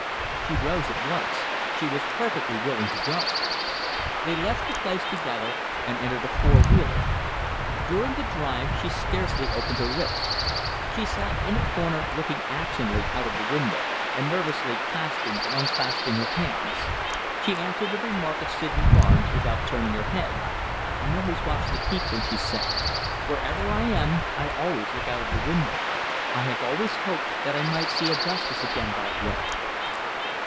She rose at once. She was perfectly willing to go. They left the place together and entered a four wheeler. During the drive she scarcely opened her lips. She sat in a corner looking absently out of the window, and nervously clasping and unclasping her hands. She answered a remark of Sydney Barnes' without turning her head. "I always watch the people," she said. "Wherever I am, I always look out of the window. I have always hoped that I might see Augustus again that way."